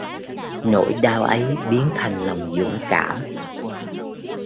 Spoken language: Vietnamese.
Nỗi đau ấy biến thành lòng dũng cảm